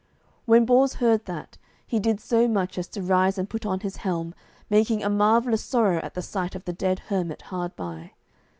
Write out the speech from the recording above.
When Bors heard that, he did so much as to rise and put on his helm, making a marvellous sorrow at the sight of the dead hermit hard by.